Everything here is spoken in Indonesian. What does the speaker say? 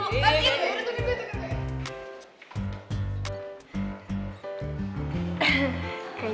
tunggu tunggu tunggu